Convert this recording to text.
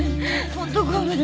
ホントごめん。